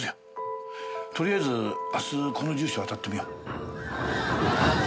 とりあえず明日この住所を当たってみよう。